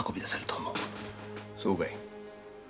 そうかい。